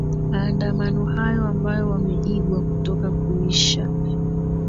maandamano hayo ambayo wameigwa kutoka kuisha